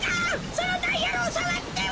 そのダイヤルをさわっては！